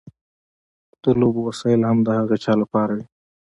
د لوبو وسایل هم د هغه چا لپاره وي.